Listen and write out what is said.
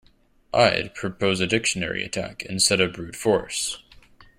I'd propose a dictionary attack instead of brute force.